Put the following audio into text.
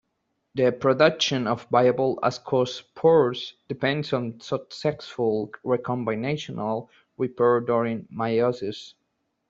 The production of viable ascospores depends on successful recombinational repair during meiosis.